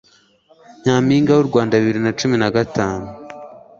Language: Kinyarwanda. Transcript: Nyampinga w'u Rwanda bibiri na cumi na gatanu